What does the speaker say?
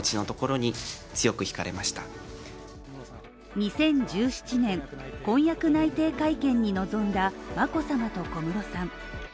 ２０１７年、婚約内定会見に臨んだ眞子さまと小室さん。